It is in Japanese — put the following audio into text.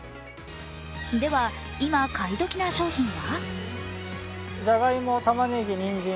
では、今、買い時な商品は？